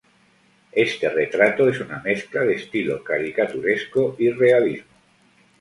Este retrato es una mezcla de estilo caricaturesco y realismo.